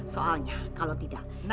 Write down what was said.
soalnya kalau tidak